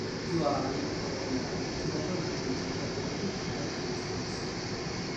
Zuavi, coloniali, tiratori indigeni ebbero tutti molte distinzioni..